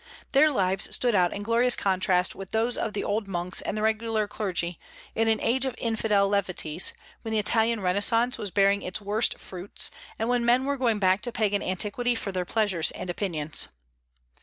Their lives stood out in glorious contrast with those of the old monks and the regular clergy, in an age of infidel levities, when the Italian renaissance was bearing its worst fruits, and men were going back to Pagan antiquity for their pleasures and opinions.